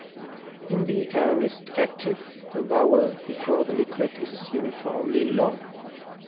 In the aorist active the vowel before the liquid is uniformly long.